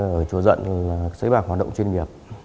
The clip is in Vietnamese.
sới bạc ở chùa dận là sới bạc hoạt động chuyên nghiệp